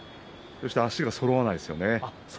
そして足がそろわないですね